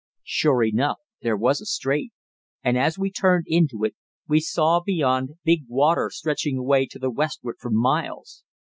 Sure enough there was a strait, and as we turned into it, we saw beyond big water stretching away to the westward for miles.